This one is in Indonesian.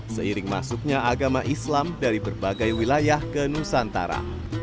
seiring masuknya agama islam dari berbagai wilayah ke nusantara